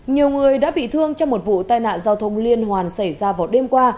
nhiều người đã bị thương trong một vụ tai nạn giao thông liên hoàn xảy ra vào đêm qua